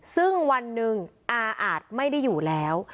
ซึ่งวันหนึ่งอาอาจไม่ได้อยู่แล้ว